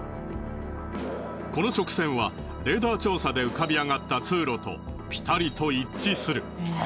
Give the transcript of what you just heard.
この直線はレーダー調査で浮かび上がった通路とピタリと一致する。